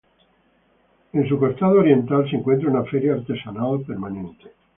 En su costado oriental se encuentra una feria artesanal permanente.